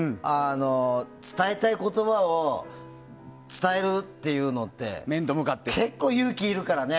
伝えたい言葉を伝えるっていうのって結構、勇気いるからね。